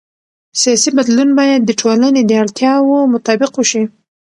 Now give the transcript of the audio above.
سیاسي بدلون باید د ټولنې د اړتیاوو مطابق وشي